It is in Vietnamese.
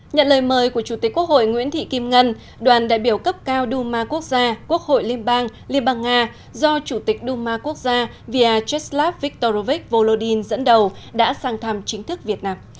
nhận lời mời của chủ tịch quốc hội nguyễn thị kim ngân đoàn đại biểu cấp cao duma quốc gia quốc hội liên bang liên bang nga do chủ tịch đu ma quốc gia vyacheslav victorvik volodin dẫn đầu đã sang thăm chính thức việt nam